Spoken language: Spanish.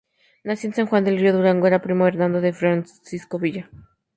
Nació en San Juan del Río, Durango, era primo hermano de Francisco Villa.